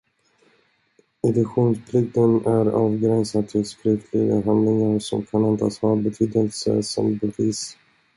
Editionsplikten är avgränsad till skriftliga handlingar som kan antas ha betydelse som bevis.